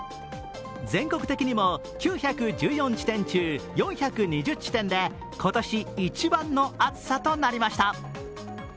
全国的にも９１４地点中４１８地点で４２０地点で今年一番の暑さとなりました。